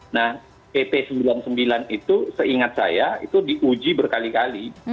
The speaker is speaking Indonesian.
nah pp sembilan puluh sembilan itu seingat saya itu diuji berkali kali